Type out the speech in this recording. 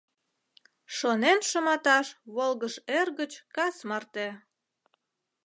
Шонен шыматаш волгыж эр гыч кас марте.